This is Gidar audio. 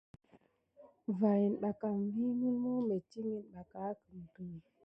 Va ina kam vi mulmu mitkine nat kuma iki.